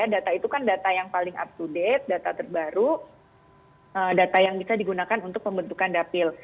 data itu kan data yang paling up to date data terbaru data yang bisa digunakan untuk pembentukan dapil